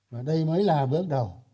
và đây mới là bước đầu